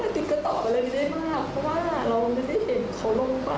ติ๊กอยากขอความเห็นใจทุกคนนะ